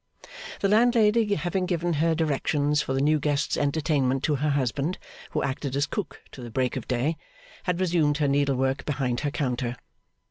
The landlady having given her directions for the new guest's entertainment to her husband, who acted as cook to the Break of Day, had resumed her needlework behind her counter.